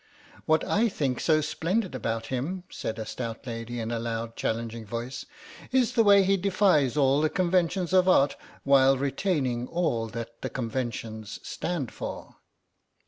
"What I think so splendid about him," said a stout lady in a loud challenging voice, "is the way he defies all the conventions of art while retaining all that the conventions stand for."